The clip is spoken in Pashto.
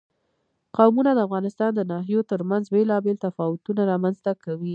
قومونه د افغانستان د ناحیو ترمنځ بېلابېل تفاوتونه رامنځ ته کوي.